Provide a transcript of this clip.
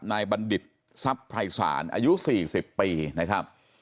บัณฑิตทรัพย์ภัยศาลอายุ๔๐ปีนะครับ